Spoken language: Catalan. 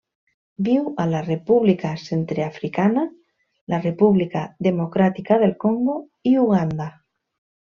Viu a la República Centreafricana, la República Democràtica del Congo i Uganda.